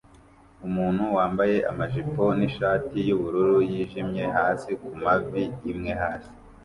Umuntu wambaye amajipo nishati yubururu yijimye hasi kumavi imwe hasi